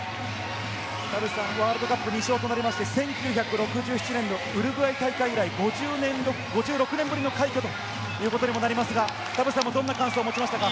ワールドカップ２勝となりまして、１９６７年のウルグアイ大会以来５６年ぶりの快挙ということにもなりますが、田臥さんどんな感想を持ちますか？